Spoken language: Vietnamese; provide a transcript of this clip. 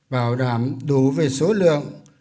bảo đảm đủ về số lượng